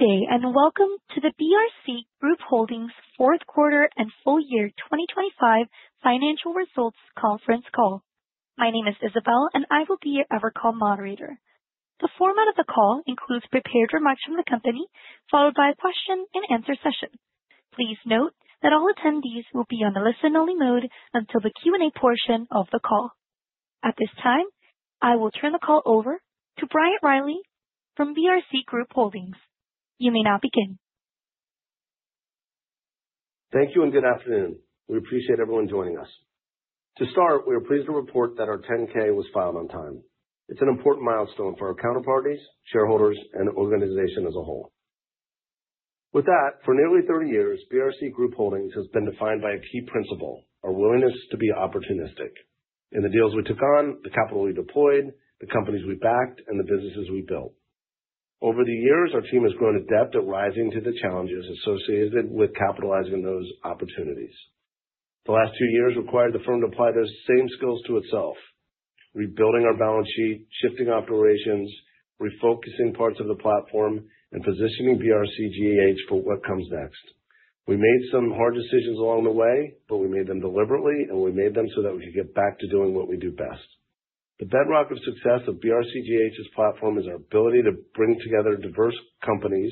Good day, and Welcome to the BRC Group Holdings Fourth Quarter and Full Year 2025 Financial Results Conference Call. My name is Isabelle, and I will be your Evercall moderator. The format of the call includes prepared remarks from the company, followed by a question-and-answer session. Please note that all attendees will be on the listen-only mode until the Q&A portion of the call. At this time, I will turn the call over to Bryant Riley from BRC Group Holdings. You may now begin. Thank you, and good afternoon. We appreciate everyone joining us. To start, we are pleased to report that our 10-K was filed on time. It's an important milestone for our counterparties, shareholders, and organization as a whole. With that, for nearly 30 years, BRC Group Holdings has been defined by a key principle, a willingness to be opportunistic in the deals we took on, the capital we deployed, the companies we backed, and the businesses we built. Over the years, our team has grown adept at rising to the challenges associated with capitalizing those opportunities. The last two years required the firm to apply those same skills to itself, rebuilding our balance sheet, shifting operations, refocusing parts of the platform, and positioning BRCGH for what comes next. We made some hard decisions along the way, but we made them deliberately, and we made them so that we could get back to doing what we do best. The bedrock of success of BRCGH's platform is our ability to bring together diverse companies,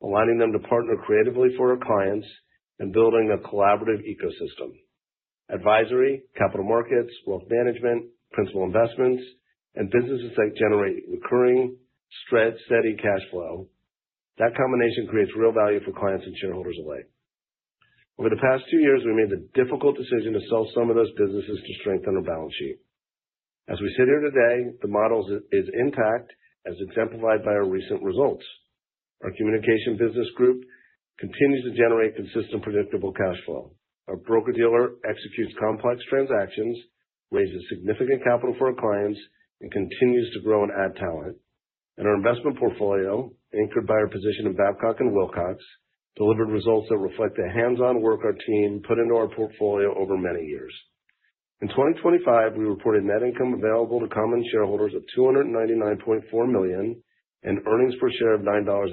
aligning them to partner creatively for our clients, and building a collaborative ecosystem. Advisory, Capital Markets, Wealth Management, Principal Investments, and Businesses that generate recurring steady cash flow. That combination creates real value for clients and shareholders alike. Over the past two years, we made the difficult decision to sell some of those businesses to strengthen our balance sheet. As we sit here today, the model is intact, as exemplified by our recent results. Our communication business group continues to generate consistent, predictable cash flow. Our broker-dealer executes complex transactions, raises significant capital for our clients, and continues to grow and add talent. Our investment portfolio, anchored by our position in Babcock & Wilcox, delivered results that reflect the hands-on work our team put into our portfolio over many years. In 2025, we reported net income available to common shareholders of $299.4 million and earnings per share of $9.80.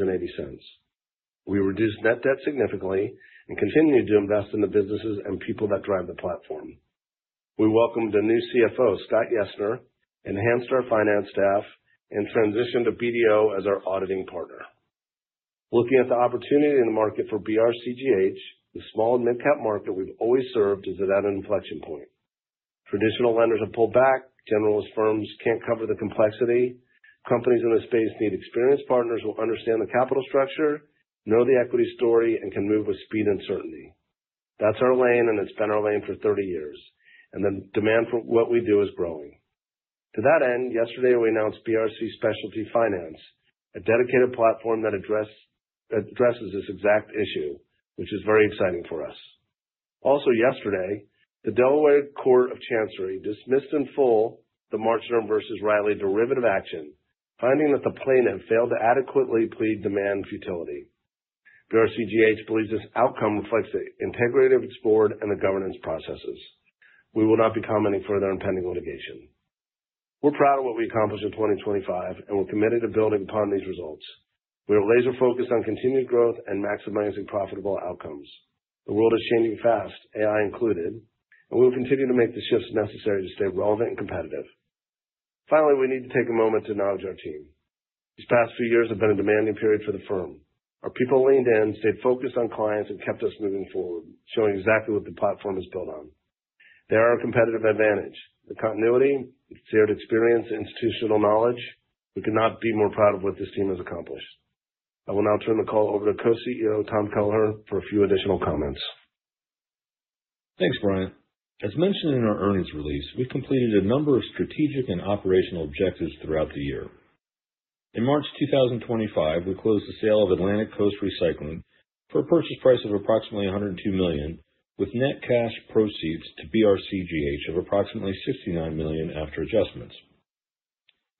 We reduced net debt significantly and continued to invest in the businesses and people that drive the platform. We welcomed a new CFO, Scott Yessner, enhanced our finance staff and transitioned to BDO as our auditing partner. Looking at the opportunity in the market for BRCGH, the small and midcap market we've always served is at an inflection point. Traditional lenders have pulled back. Generalist firms can't cover the complexity. Companies in this space need experienced partners who understand the capital structure, know the equity story, and can move with speed and certainty. That's our lane, and it's been our lane for 30 years, and the demand for what we do is growing. To that end, yesterday we announced BRC Specialty Finance, a dedicated platform that addresses this exact issue, which is very exciting for us. Also yesterday, the Delaware Court of Chancery dismissed in full the Marstons versus Riley derivative action, finding that the plaintiff failed to adequately plead demand futility. BRCGH believes this outcome reflects the integrity of its board and the governance processes. We will not be commenting further on pending litigation. We're proud of what we accomplished in 2025, and we're committed to building upon these results. We are laser-focused on continued growth and maximizing profitable outcomes. The world is changing fast, AI included, and we will continue to make the shifts necessary to stay relevant and competitive. Finally, we need to take a moment to acknowledge our team. These past few years have been a demanding period for the firm. Our people leaned in, stayed focused on clients, and kept us moving forward, showing exactly what the platform is built on. They are our competitive advantage. The continuity, shared experience, institutional knowledge. We could not be more proud of what this team has accomplished. I will now turn the call over to Co-CEO Tom Kelleher for a few additional comments. Thanks, Bryant. As mentioned in our earnings release, we completed a number of strategic and operational objectives throughout the year. In March 2025, we closed the sale of Atlantic Coast Recycling for a purchase price of approximately $102 million, with net cash proceeds to BRCGH of approximately $69 million after adjustments.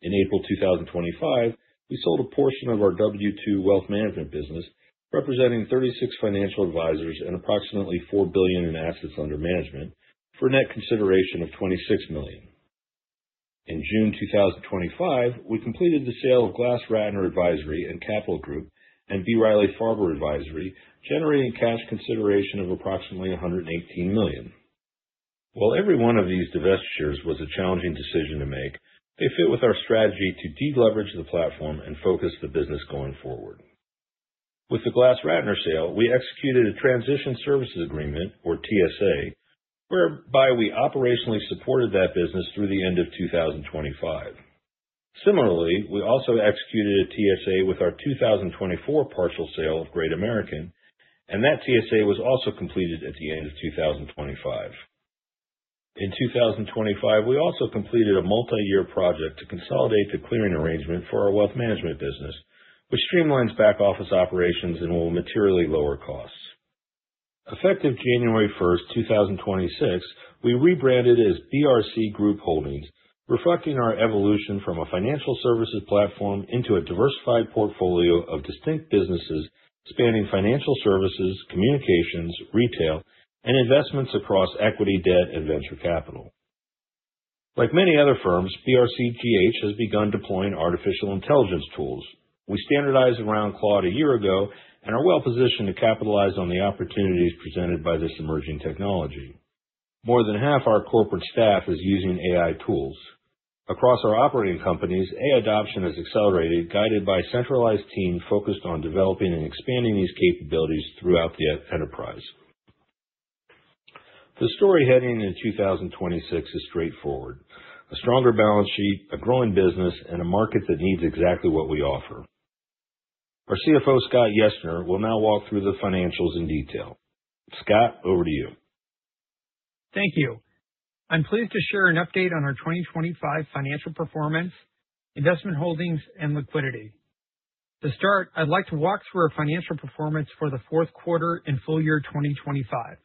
In April 2025, we sold a portion of our W2 Wealth Management business, representing 36 financial advisors and approximately $4 billion in assets under management for net consideration of $26 million. In June 2025, we completed the sale of GlassRatner Advisory & Capital Group and B. Riley Farber Advisory, generating cash consideration of approximately $118 million. While every one of these divestitures was a challenging decision to make, they fit with our strategy to deleverage the platform and focus the business going forward. With the GlassRatner sale, we executed a Transition Services Agreement, or TSA, whereby we operationally supported that business through the end of 2025. Similarly, we also executed a TSA with our 2024 partial sale of Great American, and that TSA was also completed at the end of 2025. In 2025, we also completed a multi-year project to consolidate the clearing arrangement for our wealth management business, which streamlines back-office operations and will materially lower costs. Effective January 1, 2026, we rebranded as BRC Group Holdings, reflecting our evolution from a financial services platform into a diversified portfolio of distinct businesses spanning financial services, communications, retail, and investments across equity, debt, and venture capital. Like many other firms, BRCGH has begun deploying artificial intelligence tools. We standardized around Claude a year ago and are well positioned to capitalize on the opportunities presented by this emerging technology. More than half our corporate staff is using AI tools. Across our operating companies, AI adoption has accelerated, guided by a centralized team focused on developing and expanding these capabilities throughout the enterprise. The story heading into 2026 is straightforward. A stronger balance sheet, a growing business, and a market that needs exactly what we offer. Our CFO, Scott Yessner, will now walk through the financials in detail. Scott, over to you. Thank you. I'm pleased to share an update on our 2025 financial performance, investment holdings, and liquidity. To start, I'd like to walk through our financial performance for the fourth quarter and full year 2025.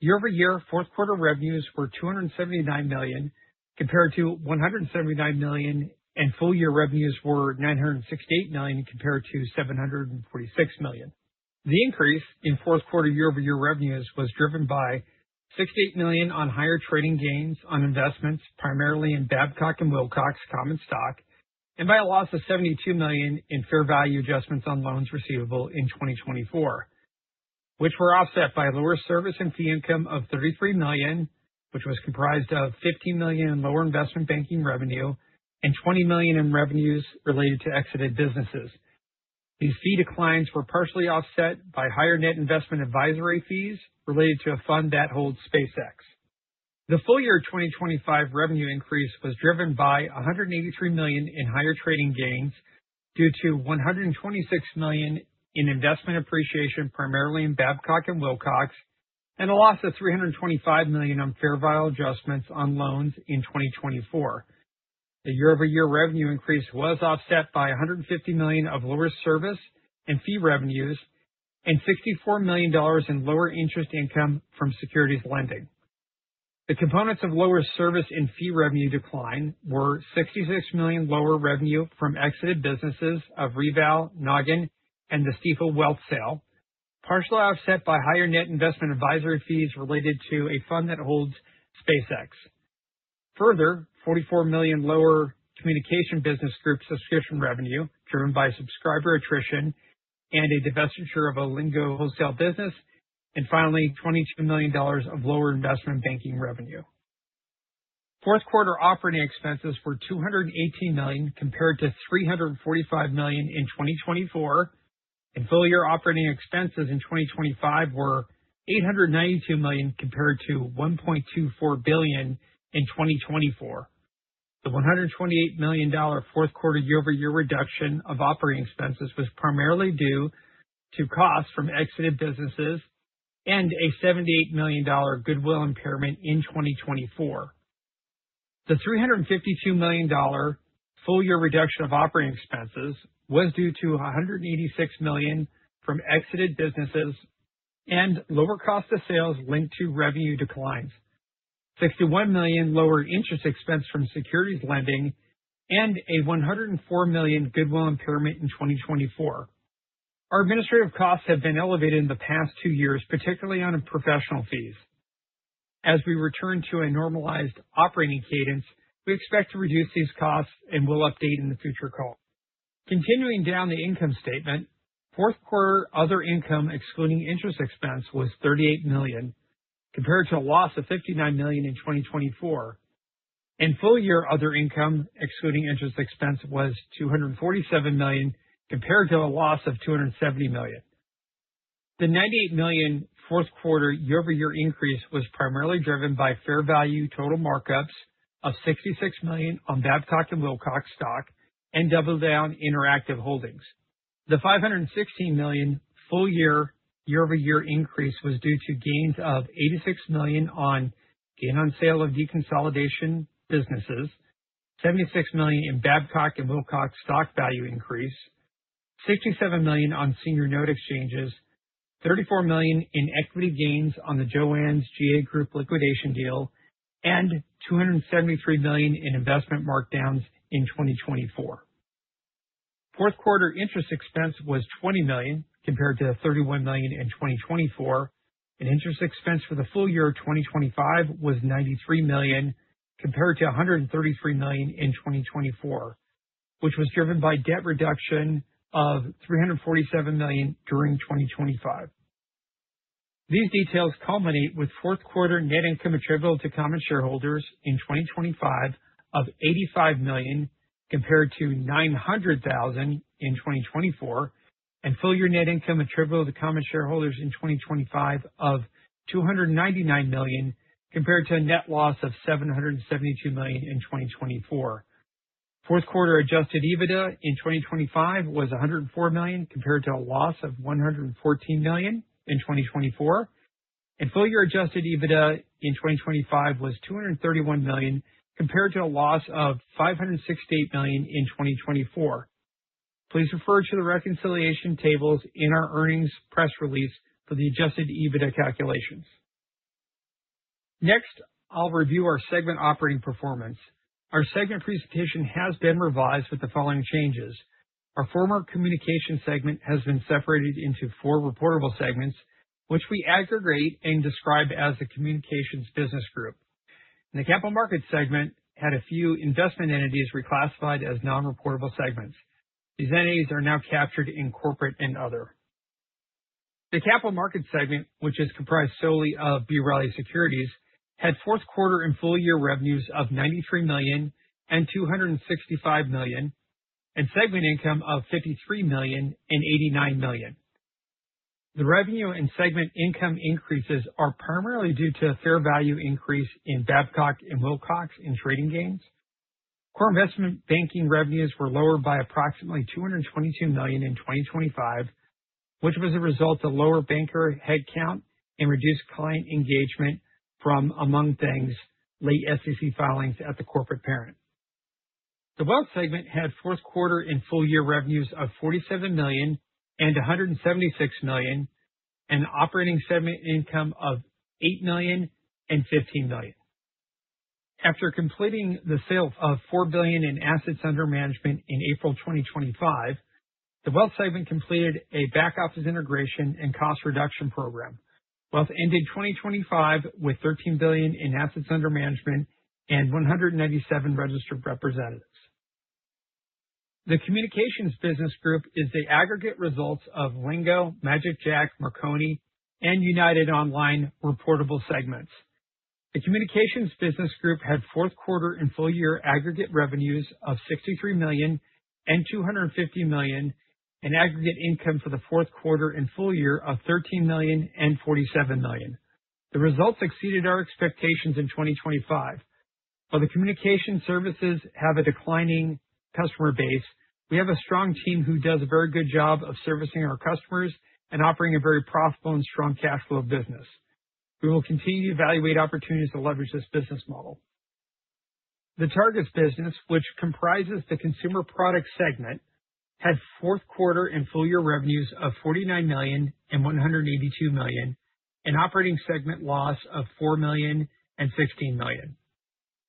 Year-over-year fourth quarter revenues were $279 million, compared to $179 million, and full year revenues were $968 million compared to $746 million. The increase in fourth quarter year-over-year revenues was driven by $68 million on higher trading gains on investments, primarily in Babcock & Wilcox common stock, and by a loss of $72 million in fair value adjustments on loans receivable in 2024, which were offset by lower service and fee income of $33 million, which was comprised of $15 million in lower investment banking revenue and $20 million in revenues related to exited businesses. These fee declines were partially offset by higher net investment advisory fees related to a fund that holds SpaceX. The full year 2025 revenue increase was driven by $183 million in higher trading gains due to $126 million in investment appreciation, primarily in Babcock & Wilcox, and a loss of $325 million on fair value adjustments on loans in 2024. The year-over-year revenue increase was offset by $150 million of lower service and fee revenues and $64 million in lower interest income from securities lending. The components of lower service and fee revenue decline were $66 million lower revenue from exited businesses of Reval, Nogin, and the Stifel wealth sale, partially offset by higher net investment advisory fees related to a fund that holds SpaceX. Further, $44 million lower communication business group subscription revenue driven by subscriber attrition and a divestiture of a Lingo wholesale business. Finally, $22 million of lower investment banking revenue. Fourth quarter operating expenses were $218 million compared to $345 million in 2024, and full year operating expenses in 2025 were $892 million compared to $1.24 billion in 2024. The $128 million fourth quarter year-over-year reduction of operating expenses was primarily due to costs from exited businesses and a $78 million goodwill impairment in 2024. The $352 million full year reduction of operating expenses was due to $186 million from exited businesses and lower cost of sales linked to revenue declines. $61 million lower interest expense from securities lending and a $104 million goodwill impairment in 2024. Our administrative costs have been elevated in the past two years, particularly on professional fees. As we return to a normalized operating cadence, we expect to reduce these costs, and we'll update in the future call. Continuing down the income statement. Fourth quarter other income excluding interest expense was $38 million, compared to a loss of $59 million in 2024. Full year other income excluding interest expense was $247 million, compared to a loss of $270 million. The $98 million fourth quarter year-over-year increase was primarily driven by fair value total markups of $66 million on Babcock & Wilcox stock and DoubleDown Interactive. The $516 million full year year-over-year increase was due to gains of $86 million on gain on sale of deconsolidation businesses, $76 million in Babcock & Wilcox stock value increase, $67 million on senior note exchanges, $34 million in equity gains on the JOANN's GA Group liquidation deal, and $273 million in investment markdowns in 2024. Fourth quarter interest expense was $20 million, compared to $31 million in 2024. Interest expense for the full year 2025 was $93 million, compared to $133 million in 2024, which was driven by debt reduction of $347 million during 2025. These details culminate with fourth quarter net income attributable to common shareholders in 2025 of $85 million, compared to $900,000 in 2024, and full year net income attributable to the common shareholders in 2025 of $299 million, compared to a net loss of $772 million in 2024. Fourth quarter adjusted EBITDA in 2025 was $104 million, compared to a loss of $114 million in 2024. Full year adjusted EBITDA in 2025 was $231 million, compared to a loss of $568 million in 2024. Please refer to the reconciliation tables in our earnings press release for the adjusted EBITDA calculations. Next, I'll review our segment operating performance. Our segment presentation has been revised with the following changes. Our former communication segment has been separated into four reportable segments, which we aggregate and describe as the communications business group. The capital markets segment had a few investment entities reclassified as non-reportable segments. These entities are now captured in corporate and other. The capital markets segment, which is comprised solely of B. Riley Securities, had fourth quarter and full year revenues of $93 million and $265 million, and segment income of $53 million and $89 million. The revenue and segment income increases are primarily due to a fair value increase in Babcock & Wilcox in trading gains. Core investment banking revenues were lower by approximately $222 million in 2025, which was a result of lower banker headcount and reduced client engagement from, among other things, late SEC filings at the corporate parent. The Wealth segment had fourth quarter and full year revenues of $47 million and $176 million, and operating segment income of $8 million and $15 million. After completing the sale of $4 billion in assets under management in April 2025, the Wealth segment completed a back-office integration and cost reduction program. Wealth ended 2025 with $13 billion in assets under management and 197 registered representatives. The communications business group is the aggregate results of Lingo, magicJack, Marconi and United Online reportable segments. The communications business group had fourth quarter and full year aggregate revenues of $63 million and $250 million, and aggregate income for the fourth quarter and full year of $13 million and $47 million. The results exceeded our expectations in 2025. While the communication services have a declining customer base, we have a strong team who does a very good job of servicing our customers and operating a very profitable and strong cash flow business. We will continue to evaluate opportunities to leverage this business model. The Targus business, which comprises the consumer products segment, had fourth quarter and full year revenues of $49 million and $182 million, and operating segment loss of $4 million and $16 million.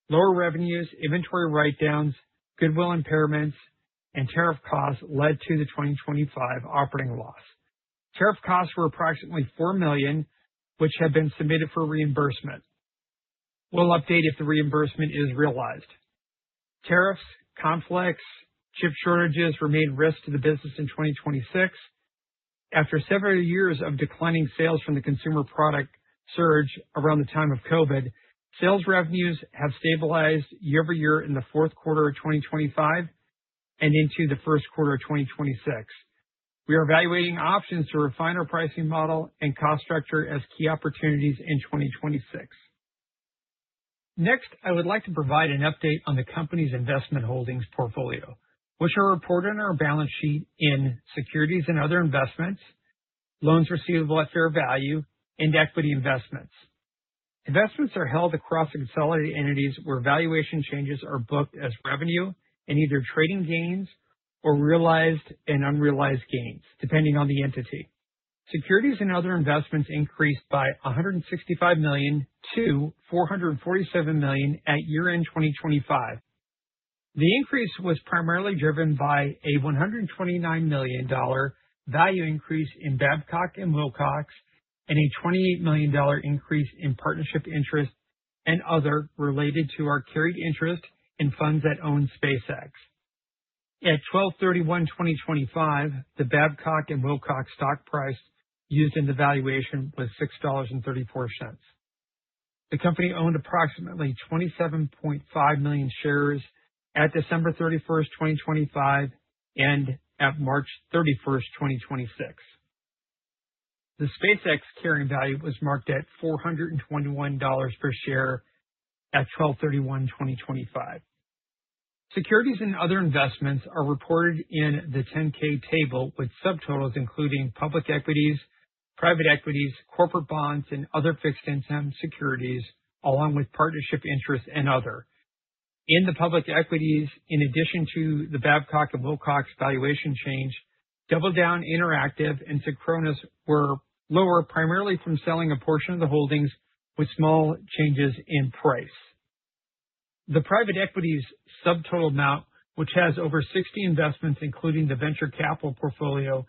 Lower revenues, inventory write-downs, goodwill impairments, and tariff costs led to the 2025 operating loss. Tariff costs were approximately $4 million, which have been submitted for reimbursement. We'll update if the reimbursement is realized. Tariffs, conflicts, chip shortages remain risks to the business in 2026. After several years of declining sales from the consumer product surge around the time of COVID, sales revenues have stabilized year-over-year in the fourth quarter of 2025 and into the first quarter of 2026. We are evaluating options to refine our pricing model and cost structure as key opportunities in 2026. Next, I would like to provide an update on the company's investment holdings portfolio, which are reported on our balance sheet in securities and other investments, loans receivable at fair value and equity investments. Investments are held across consolidated entities where valuation changes are booked as revenue in either trading gains or realized and unrealized gains, depending on the entity. Securities and other investments increased by $165 million to $447 million at year-end 2025. The increase was primarily driven by a $129 million value increase in Babcock & Wilcox, and a $28 million increase in partnership interest and other related to our carried interest in funds that own SpaceX. At 12/31/2025, the Babcock & Wilcox stock price used in the valuation was $6.34. The company owned approximately 27.5 million shares at December 31, 2025 and at March 31, 2026. The SpaceX carrying value was marked at $421 per share at 12/31/2025. Securities and other investments are reported in the 10-K table, with subtotals including public equities, private equities, corporate bonds, and other fixed income securities, along with partnership interests and other. In the public equities, in addition to the Babcock & Wilcox valuation change, DoubleDown Interactive and Synchronoss were lower, primarily from selling a portion of the holdings with small changes in price. The private equities subtotal amount, which has over 60 investments including the venture capital portfolio,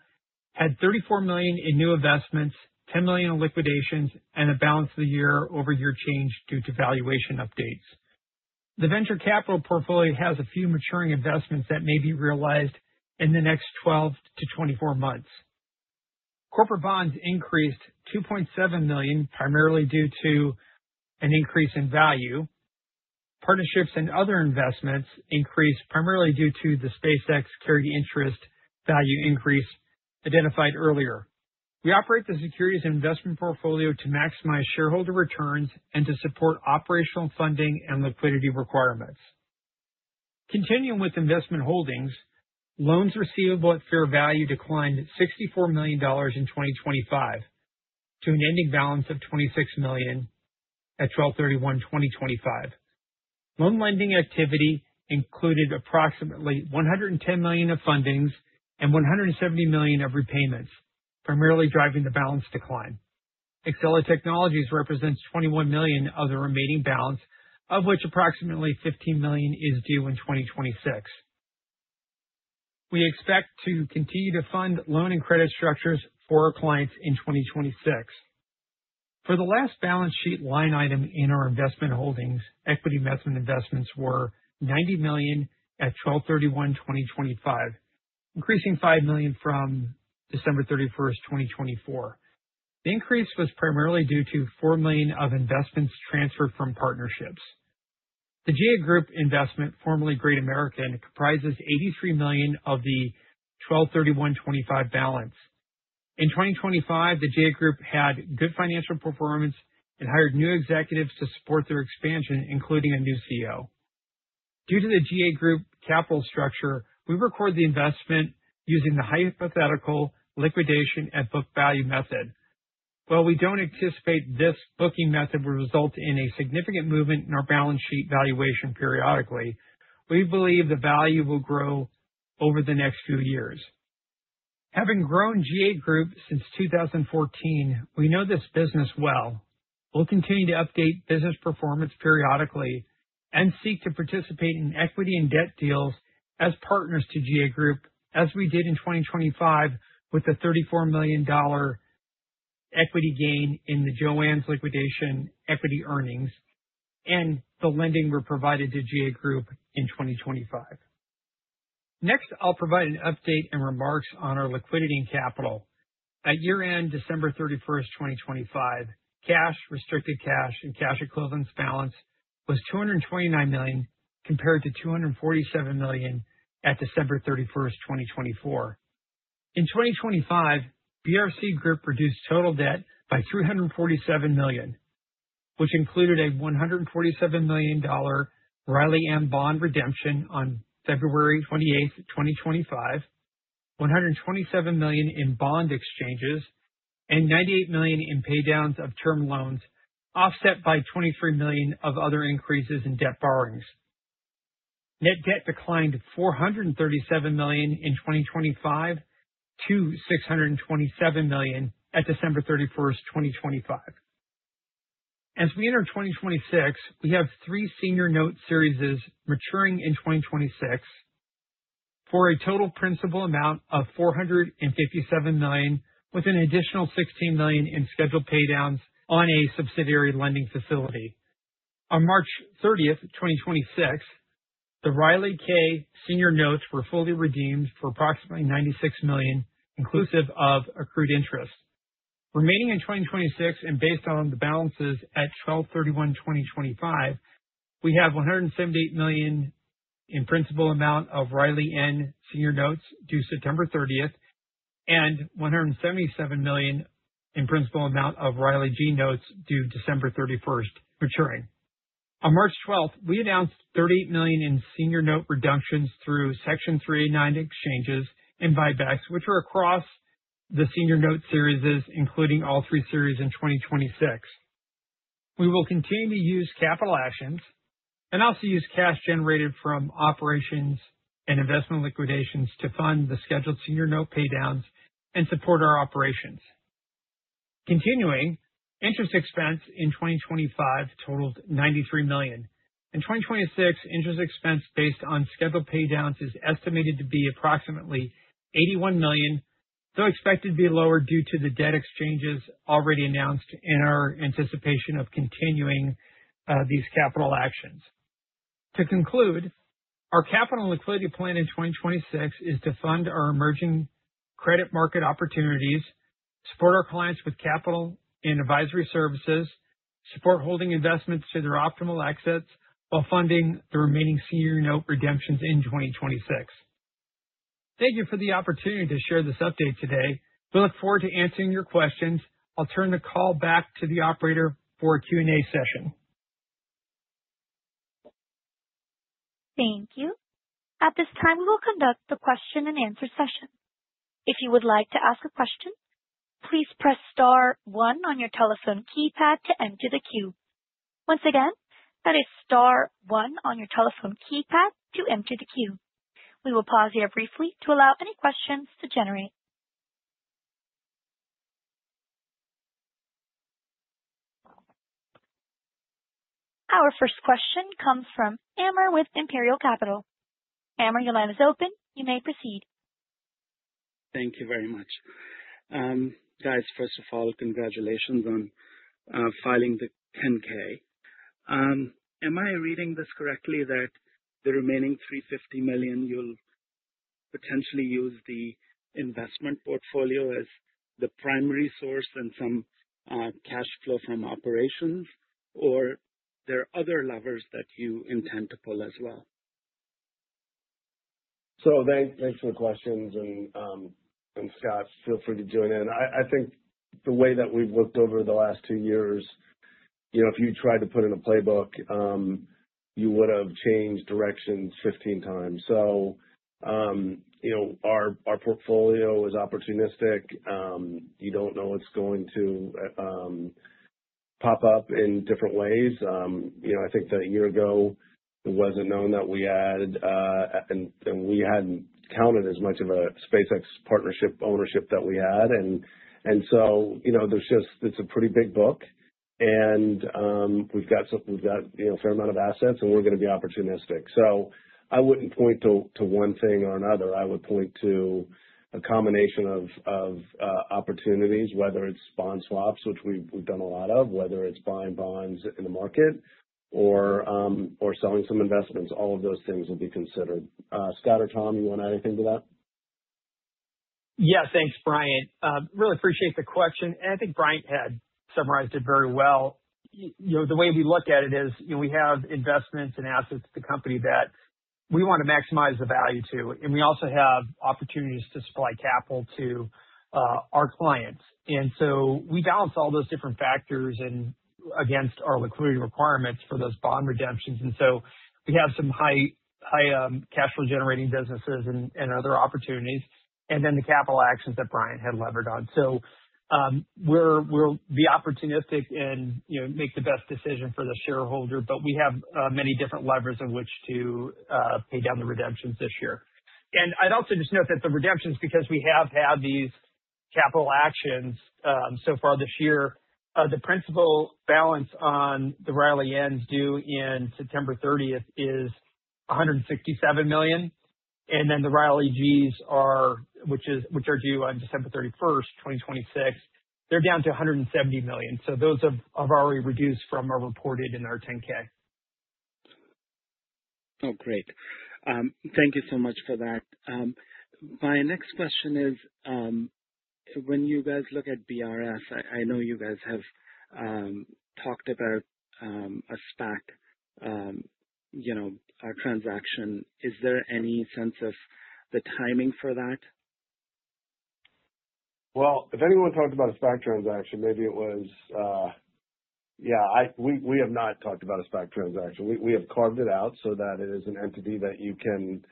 had $34 million in new investments, $10 million in liquidations, and a balance of the year-over-year change due to valuation updates. The venture capital portfolio has a few maturing investments that may be realized in the next 12-24 months. Corporate bonds increased $2.7 million, primarily due to an increase in value. Partnerships and other investments increased primarily due to the SpaceX carried interest value increase identified earlier. We operate the securities investment portfolio to maximize shareholder returns and to support operational funding and liquidity requirements. Continuing with investment holdings, loans receivable at fair value declined $64 million in 2025 to an ending balance of $26 million at 12/31/2025. Loan lending activity included approximately $110 million of fundings and $170 million of repayments, primarily driving the balance decline. Acela Technologies represents $21 million of the remaining balance, of which approximately $15 million is due in 2026. We expect to continue to fund loan and credit structures for our clients in 2026. For the last balance sheet line item in our investment holdings, equity measurement investments were $90 million at 12/31/2025, increasing $5 million from December 31, 2024. The increase was primarily due to $4 million of investments transferred from partnerships. The GA Group investment, formerly Great American, comprises $83 million of the 12/31/2025 balance. In 2025, the GA Group had good financial performance and hired new executives to support their expansion, including a new CEO. Due to the GA Group capital structure, we record the investment using the Hypothetical Liquidation at Book Value method. While we don't anticipate this booking method will result in a significant movement in our balance sheet valuation periodically, we believe the value will grow over the next few years. Having grown GA Group since 2014, we know this business well. We'll continue to update business performance periodically and seek to participate in equity and debt deals as partners to GA Group, as we did in 2025 with the $34 million equity gain in the JOANN's liquidation equity earnings and the lending we provided to GA Group in 2025. Next, I'll provide an update and remarks on our liquidity and capital. At year-end December 31, 2025, cash, restricted cash and cash equivalents balance was $229 million, compared to $247 million at December 31, 2024. In 2025, BRC Group reduced total debt by $347 million, which included a $147 million RILYM bond redemption on February 28, 2025. $127 million in bond exchanges, and $98 million in pay downs of term loans, offset by $23 million of other increases in debt borrowings. Net debt declined $437 million in 2025 to $627 million at December 31, 2025. As we enter 2026, we have three senior note series maturing in 2026 for a total principal amount of $457 million, with an additional $16 million in scheduled pay downs on a subsidiary lending facility. On March 30th, 2026, the RILYK senior notes were fully redeemed for approximately $96 million, inclusive of accrued interest. Remaining in 2026 and based on the balances at 12/31/2025, we have $178 million in principal amount of RILYN senior notes due September 30th and $177 million in principal amount of RILYG notes due December 31 maturing. On March 12, we announced $38 million in senior note reductions through Section 3(a)(9) exchanges and buybacks, which are across the senior note series, including all three series in 2026. We will continue to use capital actions and also use cash generated from operations and investment liquidations to fund the scheduled senior note pay downs and support our operations. Continuing, interest expense in 2025 totaled $93 million. In 2026, interest expense based on scheduled pay downs is estimated to be approximately $81 million, though expected to be lower due to the debt exchanges already announced in our anticipation of continuing these capital actions. To conclude, our capital and liquidity plan in 2026 is to fund our emerging credit market opportunities, support our clients with capital and advisory services, support holding investments to their optimal exits while funding the remaining senior note redemptions in 2026. Thank you for the opportunity to share this update today. We look forward to answering your questions. I'll turn the call back to the operator for a Q&A session. Thank you. At this time, we will conduct the question and answer session. If you would like to ask a question, please press star one on your telephone keypad to enter the queue. Once again, that is star one on your telephone keypad to enter the queue. We will pause here briefly to allow any questions to generate. Our first question comes from Amer with Imperial Capital. Amer, your line is open. You may proceed. Thank you very much. Guys, first of all, congratulations on filing the 10-K. Am I reading this correctly that the remaining $350 million, you'll potentially use the investment portfolio as the primary source and some cash flow from operations? Or there are other levers that you intend to pull as well. Thanks for the questions. Scott, feel free to join in. I think the way that we've looked over the last two years, you know, if you tried to put in a playbook, you would have changed directions 15 times. You know, our portfolio is opportunistic. You don't know what's going to Pop up in different ways. You know, I think that a year ago, it wasn't known that we had and we hadn't counted as much of a SpaceX partnership ownership that we had. You know, there's just. It's a pretty big book. You know, we've got a fair amount of assets and we're gonna be opportunistic. I wouldn't point to one thing or another. I would point to a combination of opportunities, whether it's bond swaps, which we've done a lot of, whether it's buying bonds in the market or selling some investments, all of those things will be considered. Scott or Tom, you want to add anything to that? Yeah. Thanks, Bryant. Really appreciate the question, and I think Bryant had summarized it very well. You know, the way we look at it is, you know, we have investments and assets to the company that we wanna maximize the value to. We also have opportunities to supply capital to our clients. We balance all those different factors against our liquidity requirements for those bond redemptions. We have some high cash flow generating businesses and other opportunities. Then the capital actions that Bryant had levered on. We'll be opportunistic and, you know, make the best decision for the shareholder, but we have many different levers in which to pay down the redemptions this year. I'd also just note that the redemptions, because we have had these capital actions so far this year, the principal balance on the RILYNs due in September 30 is $167 million. Then the RILYGs, which are due on December 31, 2026, are down to $170 million. Those have already reduced from as reported in our 10-K. Oh, great. Thank you so much for that. My next question is, when you guys look at BRS, I know you guys have talked about a stack, you know, a transaction. Is there any sense of the timing for that? Well, if anyone talked about a stack transaction, maybe it was, yeah, we have not talked about a stack transaction. We have carved it out so that it is an entity that you can.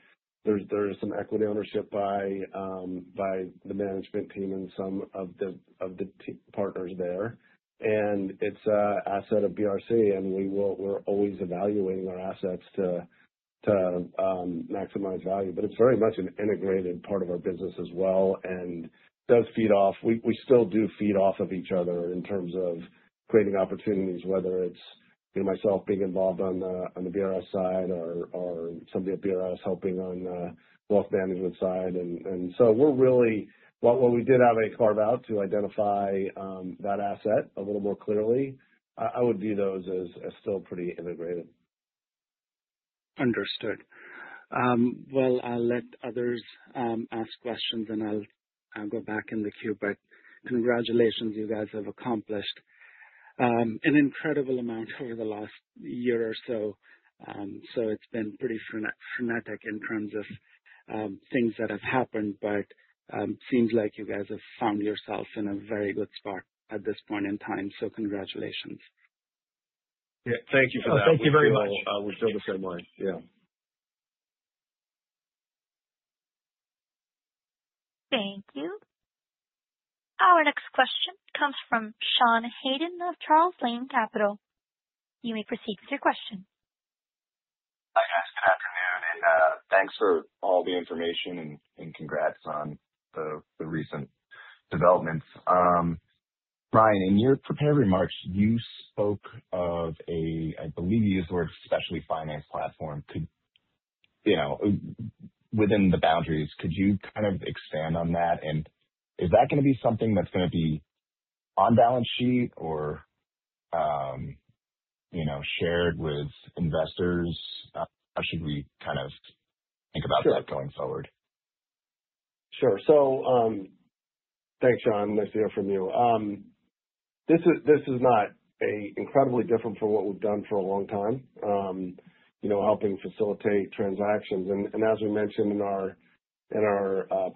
There's some equity ownership by the management team and some of the TP partners there. It's an asset of BRC, and we will. We're always evaluating our assets to maximize value. It's very much an integrated part of our business as well and does feed off. We still do feed off of each other in terms of creating opportunities, whether it's me, myself being involved on the BRS side or somebody at BRS helping on wealth management side. We're really, while we did have a carve out to identify that asset a little more clearly, I would view those as still pretty integrated. Understood. Well, I'll let others ask questions, and I'll go back in the queue. Congratulations, you guys have accomplished an incredible amount over the last year or so. It's been pretty frenetic in terms of things that have happened. Seems like you guys have found yourself in a very good spot at this point in time, so congratulations. Yeah. Thank you for that. Thank you very much. We feel the same way. Yeah. Thank you. Our next question comes from Sean Haydon of Charles Lane Capital. You may proceed with your question. Hi, guys. Good afternoon, and thanks for all the information and congrats on the recent developments. Bryant, in your prepared remarks, you spoke of a, I believe you used the word specialty finance platform. Within the boundaries, could you kind of expand on that? And is that gonna be something that's gonna be on balance sheet or shared with investors? How should we kind of think about that going forward? Sure. Thanks, Sean nice to hear from you. This is not an incredibly different from what we've done for a long time, you know, helping facilitate transactions. As we mentioned in our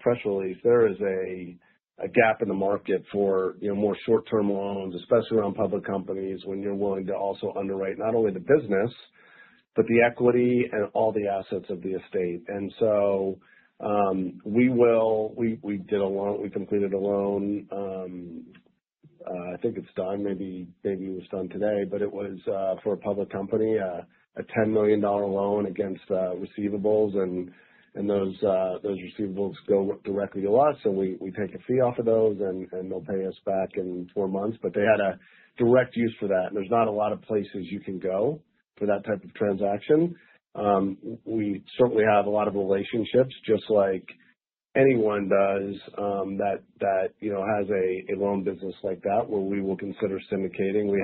press release, there is a gap in the market for, you know, more short-term loans, especially around public companies, when you're willing to also underwrite not only the business, but the equity and all the assets of the estate. We completed a loan, I think it's done, maybe it was done today. It was for a public company, a $10 million loan against receivables. Those receivables go directly to us, so we take a fee off of those, and they'll pay us back in four months. They had a direct use for that, and there's not a lot of places you can go for that type of transaction. We certainly have a lot of relationships, just like anyone does, you know, has a loan business like that, where we will consider syndicating. We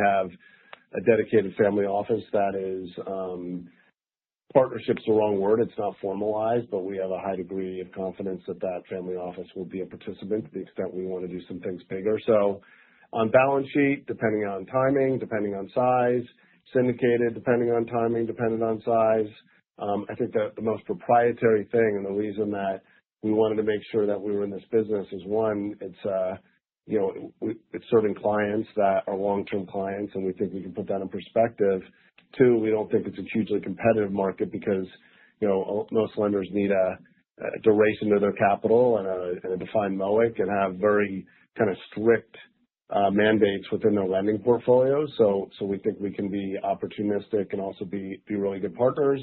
have a dedicated family office that is, partnership's the wrong word. It's not formalized, but we have a high degree of confidence that family office will be a participant to the extent we wanna do some things bigger. On balance sheet, depending on timing, depending on size, syndicated, depending on timing, dependent on size. I think the most proprietary thing and the reason that we wanted to make sure that we were in this business is one, it's you know, it's serving clients that are long-term clients, and we think we can put that in perspective. Two, we don't think it's a hugely competitive market because you know, most lenders need a duration of their capital and a defined MOIC can have very kind of strict mandates within their lending portfolio. We think we can be opportunistic and also be really good partners.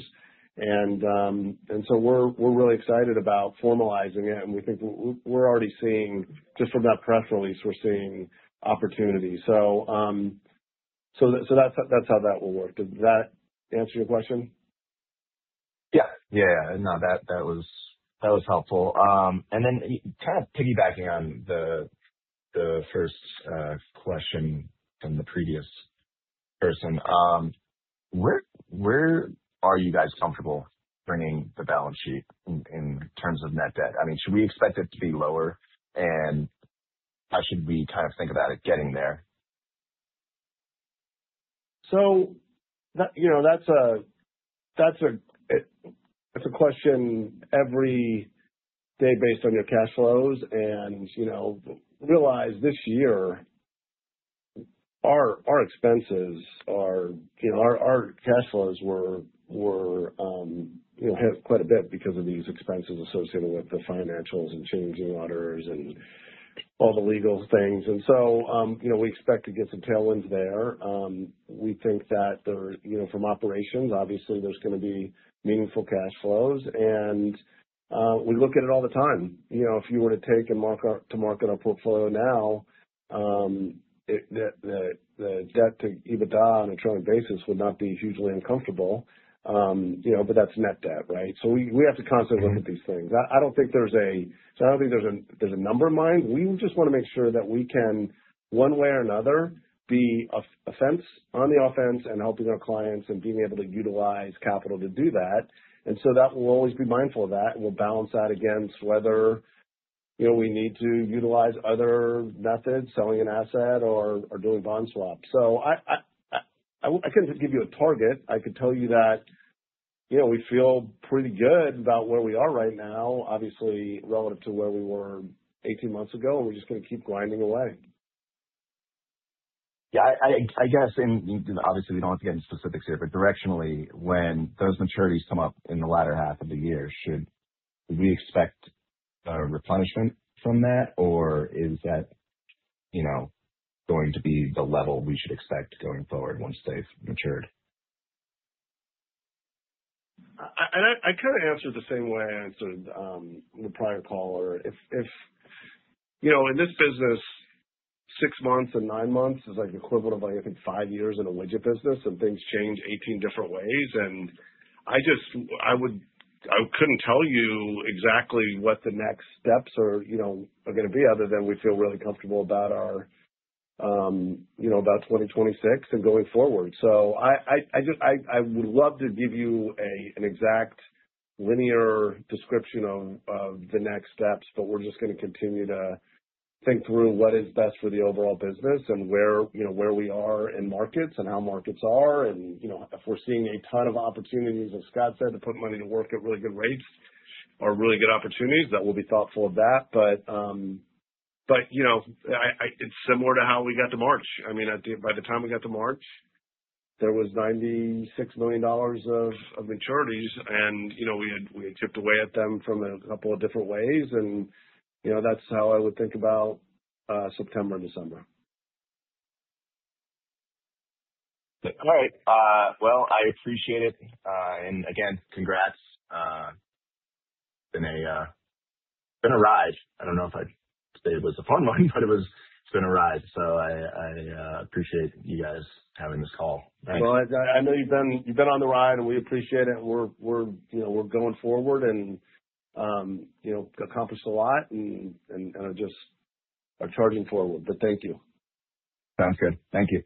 We're really excited about formalizing it. We think we're already seeing just from that press release, we're seeing opportunities. That's how that will work. Does that answer your question? Yeah. No, that was helpful. Kind of piggybacking on the first question from the previous person. Where are you guys comfortable bringing the balance sheet in terms of net debt? I mean, should we expect it to be lower, and how should we kind of think about it getting there? That, you know, that's a question every day based on your cash flows. You know, realize this year our expenses, you know, our cash flows were hit quite a bit because of these expenses associated with the financials and changing orders and all the legal things. You know, we expect to get some tailwinds there. We think that there, you know, from operations, obviously, there's gonna be meaningful cash flows. We look at it all the time. You know, if you were to take and mark to market our portfolio now, the debt to EBITDA on a trailing basis would not be hugely uncomfortable. You know, but that's net debt, right? We have to constantly look at these things. I don't think there's a number in mind. We just wanna make sure that we can one way or another be on the offense in helping our clients and being able to utilize capital to do that. We'll always be mindful of that. We'll balance that against whether, you know, we need to utilize other methods, selling an asset or doing bond swaps. I couldn't give you a target. I could tell you that, you know, we feel pretty good about where we are right now, obviously relative to where we were 18 months ago, and we're just gonna keep grinding away. Yeah, I guess, and obviously we don't have to get into specifics here, but directionally, when those maturities come up in the latter half of the year, should we expect a replenishment from that? Or is that, you know, going to be the level we should expect going forward once they've matured? I kind of answered the same way I answered the prior caller. You know, in this business, six months and nine months is like equivalent of, I think, five years in a widget business and things change 18 different ways. I couldn't tell you exactly what the next steps are, you know, are gonna be other than we feel really comfortable about our, you know, about 2026 and going forward. I just would love to give you an exact linear description of the next steps, but we're just gonna continue to think through what is best for the overall business and where, you know, where we are in markets and how markets are. You know, if we're seeing a ton of opportunities, as Scott said, to put money to work at really good rates or really good opportunities, then we'll be thoughtful of that. You know, it's similar to how we got to March. I mean, I think by the time we got to March, there was $96 million of maturities. You know, we had chipped away at them from a couple of different ways. You know, that's how I would think about September and December. All right. Well, I appreciate it. Again, congrats. I don't know if I'd say it was a fun one, but it was. It's been a ride. I appreciate you guys having this call. Thanks. Well, I know you've been on the ride, and we appreciate it. We're, you know, going forward and, you know, accomplished a lot and are just charging forward. Thank you. Sounds good. Thank you.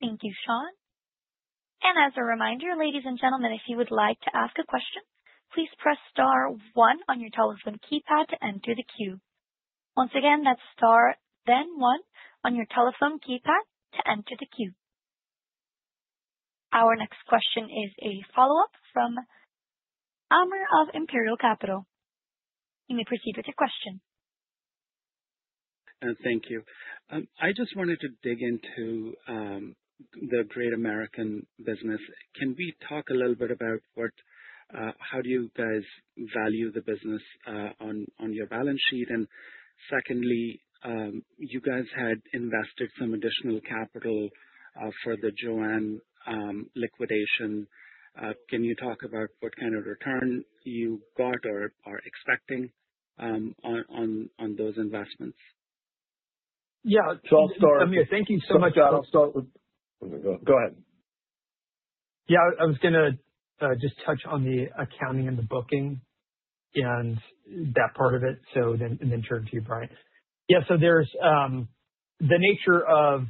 Thank you, Sean. As a reminder, ladies and gentlemen, if you would like to ask a question, please press star one on your telephone keypad to enter the queue. Once again, that's star then one on your telephone keypad to enter the queue. Our next question is a follow-up from Amer of Imperial Capital. You may proceed with your question. Thank you. I just wanted to dig into the Great American business. Can we talk a little bit about how do you guys value the business on your balance sheet? Secondly, you guys had invested some additional capital for the JOANN liquidation. Can you talk about what kind of return you got or are expecting on those investments? Yeah. I'll start. Amer, thank you so much. Go ahead. Yeah. I was gonna just touch on the accounting and the booking and that part of it, and then turn to you, Bryant. Yeah. So there's the nature of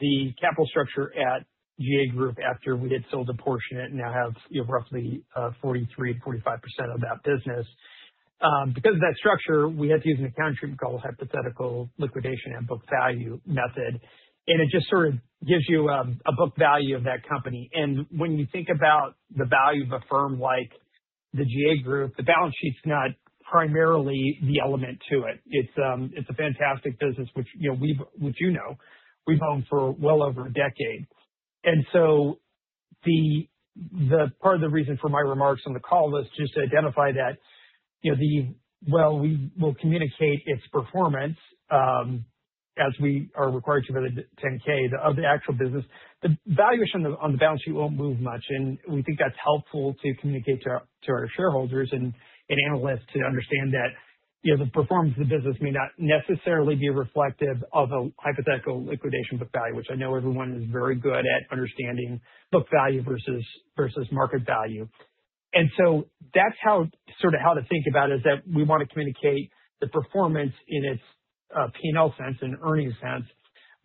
the capital structure at GA Group after we had sold a portion of it and now have, you know, roughly 43%-45% of that business. Because of that structure, we have to use an accounting treatment called Hypothetical Liquidation at Book Value method, and it just sort of gives you a book value of that company. When you think about the value of a firm like The GA Group, the balance sheet's not primarily the element to it. It's a fantastic business, which you know, we've owned for well over a decade. The part of the reason for my remarks on the call was just to identify that, you know, while we will communicate its performance, as we are required to for the 10-K of the actual business, the valuation on the balance sheet won't move much, and we think that's helpful to communicate to our shareholders and analysts to understand that, you know, the performance of the business may not necessarily be reflective of a hypothetical liquidation book value, which I know everyone is very good at understanding book value versus market value. That's how, sort of how to think about it, is that we wanna communicate the performance in its P&L sense and earnings sense,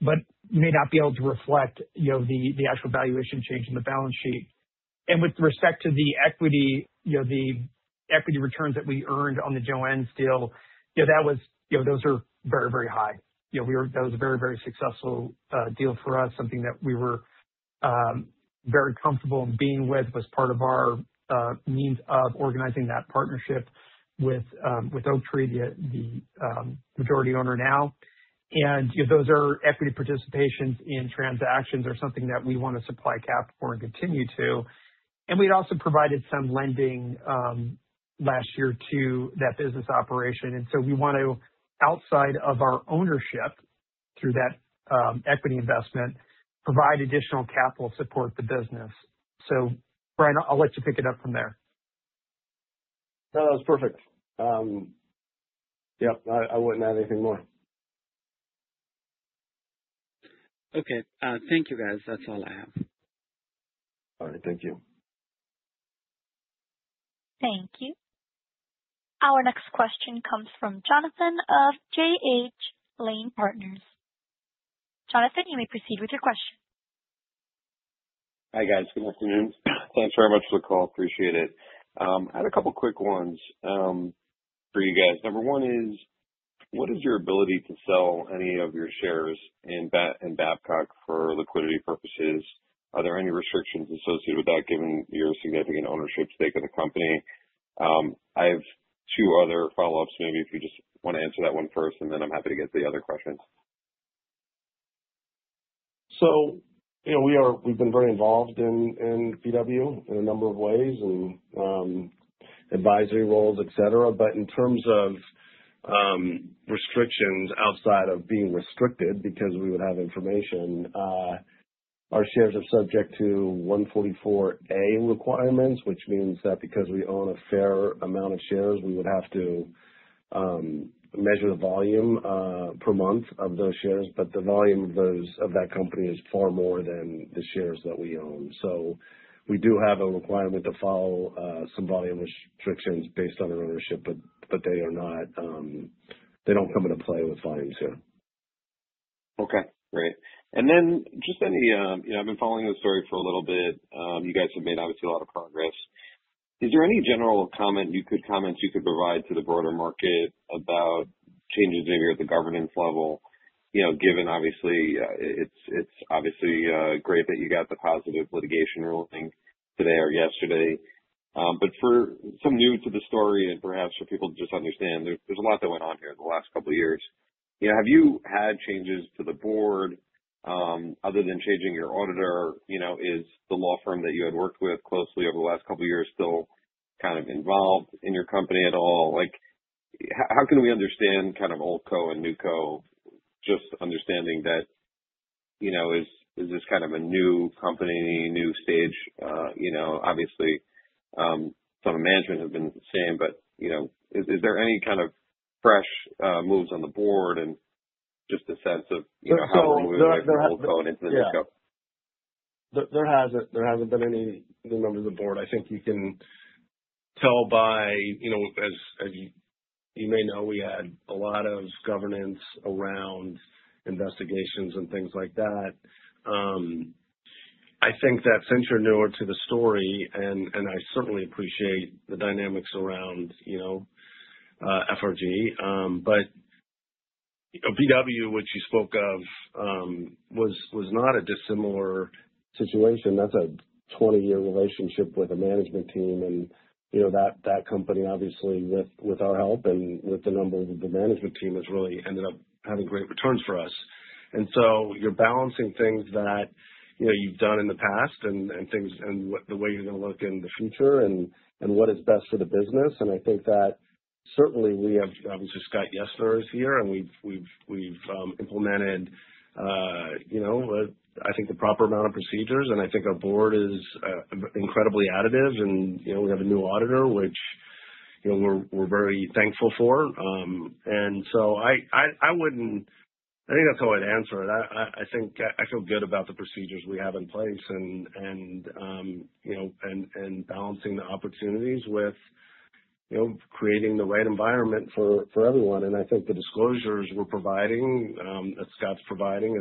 but may not be able to reflect, you know, the actual valuation change in the balance sheet. With respect to the equity, you know, the equity returns that we earned on the JOANN's deal, you know, that was, you know, those are very, very high. You know, that was a very, very successful deal for us, something that we were very comfortable in being with, was part of our means of organizing that partnership with Oaktree, the majority owner now. You know, those are equity participations in transactions are something that we want to supply capital for and continue to. We'd also provided some lending last year to that business operation. We want to, outside of our ownership through that, equity investment, provide additional capital support the business. Bryant, I'll let you pick it up from there. No, that was perfect. Yep, I wouldn't add anything more. Okay, thank you guys. That's all I have. All right. Thank you. Thank you. Our next question comes from Jonathan of J.H. Lane Partners. Jonathan, you may proceed with your question. Hi, guys. Good afternoon. Thanks very much for the call. Appreciate it. Had a couple quick ones for you guys. Number one is, what is your ability to sell any of your shares in Babcock for liquidity purposes? Are there any restrictions associated with that, given your significant ownership stake in the company? I have two other follow-ups. Maybe if you just wanna answer that one first, and then I'm happy to get to the other questions. You know, we've been very involved in BW in a number of ways and advisory roles, et cetera. But in terms of restrictions outside of being restricted because we would have information, our shares are subject to Rule 144A requirements, which means that because we own a fair amount of shares, we would have to measure the volume per month of those shares. But the volume of that company is far more than the shares that we own. We do have a requirement to follow some volume restrictions based on our ownership, but they don't come into play with volumes here. Okay. Great. Just any. You know, I've been following this story for a little bit. You guys have made, obviously, a lot of progress. Is there any general comment you could provide to the broader market about changes in here at the governance level? You know, given obviously, it's obviously great that you got the positive litigation ruling today or yesterday. For some new to the story and perhaps for people to just understand, there's a lot that went on here in the last couple years. You know, have you had changes to the board, other than changing your auditor? You know, is the law firm that you had worked with closely over the last couple years still kind of involved in your company at all? Like, how can we understand kind of Old co and New co just understanding that, you know, is this kind of a new company, new stage? You know, obviously, some of management have been the same, but, you know, is there any kind of fresh moves on the board and just a sense of, you know, how we move the Old co into the New co? There hasn't been any new members of the board. I think you can tell by, you know, as you may know, we had a lot of governance around investigations and things like that. I think that since you're newer to the story and I certainly appreciate the dynamics around, you know, FRG, but you know, BW, which you spoke of, was not a dissimilar situation. That's a 20-year relationship with a management team and, you know, that company obviously with our help and with the members of the management team has really ended up having great returns for us. You're balancing things that, you know, you've done in the past and things and the way you're gonna look in the future and what is best for the business. I think that certainly we have, obviously Scott Yessner is here, and we've implemented, you know, I think the proper amount of procedures. I think our board is incredibly additive and, you know, we have a new auditor, which, you know, we're very thankful for. I wouldn't. I think that's how I'd answer it. I think I feel good about the procedures we have in place and balancing the opportunities with, you know, creating the right environment for everyone. I think the disclosures we're providing that Scott's providing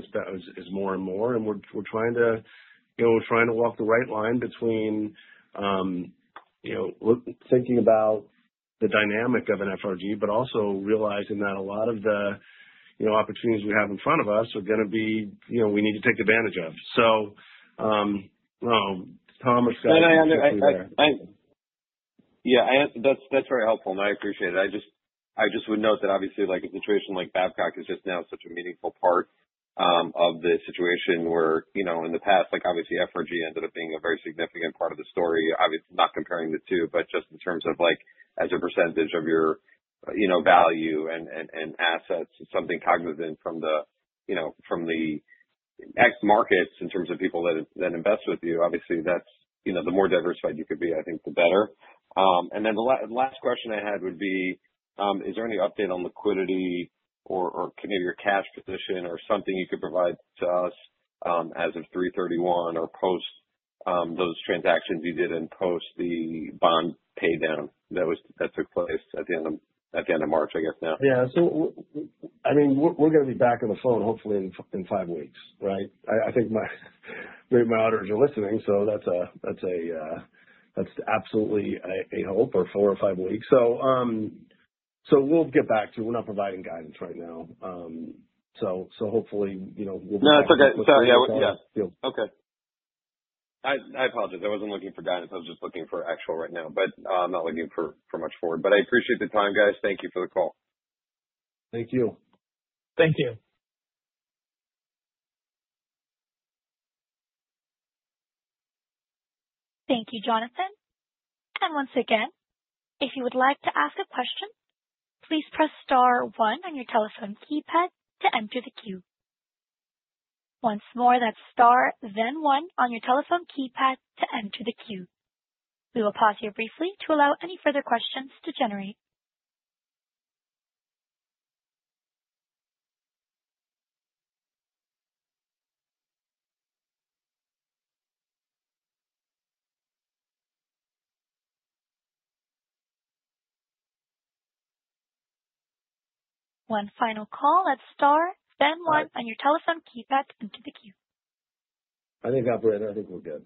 is more and more. We're trying to walk the right line between, you know, thinking about the dynamic of an FRG, but also realizing that a lot of the, you know, opportunities we have in front of us are gonna be, you know, we need to take advantage of. Tom or Scott- Yeah, that's very helpful, and I appreciate it. I just would note that obviously, like, a situation like Babcock is just now such a meaningful part of the situation where, you know, in the past, like, obviously FRG ended up being a very significant part of the story. Not comparing the two, but just in terms of like, as a percentage of your, you know, value and assets and be cognizant of the equity markets in terms of people that invest with you. Obviously that's, you know, the more diversified you could be, I think the better. The last question I had would be, is there any update on liquidity or maybe your cash position or something you could provide to us, as of 3/31 or post those transactions you did and post the bond pay down that took place at the end of March, I guess now. Yeah. I mean, we're gonna be back on the phone hopefully in five weeks, right? I think maybe my auditors are listening, so that's absolutely a hope for four or five weeks. We'll get back to you. We're not providing guidance right now. Hopefully, you know, we'll be back. No, that's okay. Sorry. Yeah. Okay.I apologize. I wasn't looking for guidance. I was just looking for actuals right now, but I'm not looking for much forward. I appreciate the time, guys. Thank you for the call. Thank you. Thank you. Thank you, Jonathan. Once again, if you would like to ask a question, please press star one on your telephone keypad to enter the queue. Once more, that's star then one on your telephone keypad to enter the queue. We will pause here briefly to allow any further questions to generate. One final call at star then one on your telephone keypad to enter the queue. I think, operator, I think we're good.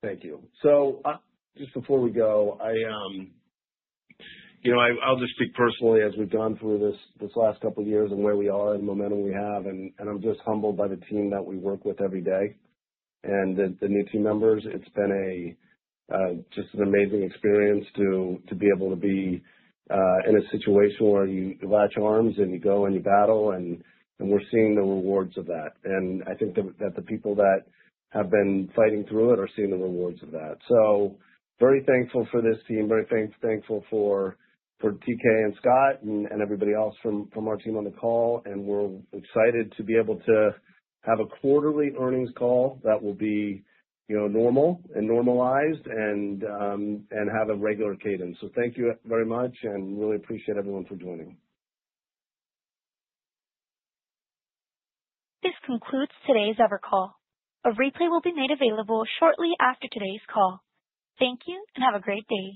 Thank you. Just before we go, you know, I'll just speak personally as we've gone through this last couple of years and where we are and the momentum we have, and I'm just humbled by the team that we work with every day. The new team members, it's been just an amazing experience to be able to be in a situation where you latch arms and you go and you battle and we're seeing the rewards of that. I think that the people that have been fighting through it are seeing the rewards of that. Very thankful for this team. Very thankful for TK and Scott and everybody else from our team on the call. We're excited to be able to have a quarterly earnings call that will be, you know, normal and normalized and have a regular cadence. Thank you very much, and really appreciate everyone for joining. This concludes today's Evercall. A replay will be made available shortly after today's call. Thank you, and have a great day.